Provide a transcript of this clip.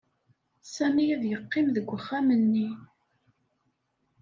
Sami ad yeqqim deg uxxam-nni.